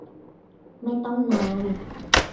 ไม่ต้องนาน